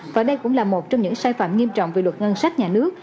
và đây cũng là một trong những sai phạm nghiêm trọng về luật ngân sách nhà nước